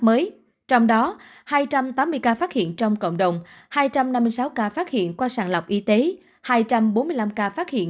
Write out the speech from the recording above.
mới trong đó hai trăm tám mươi ca phát hiện trong cộng đồng hai trăm năm mươi sáu ca phát hiện qua sàng lọc y tế hai trăm bốn mươi năm ca phát hiện